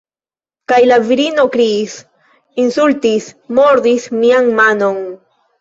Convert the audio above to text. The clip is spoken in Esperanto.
Kaj la virino kriis, insultis, mordis mian manon.